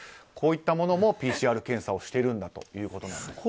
こういったものも、ＰＣＲ検査をしているということなんです。